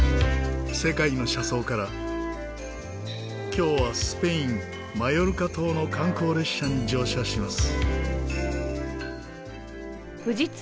今日はスペインマヨルカ島の観光列車に乗車します。